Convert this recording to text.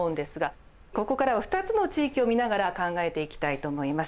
ここからは２つの地域を見ながら考えていきたいと思います。